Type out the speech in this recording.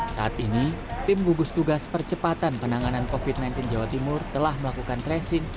saat ini tim gugus tugas percepatan penanganan covid sembilan belas jawa timur telah melakukan tracing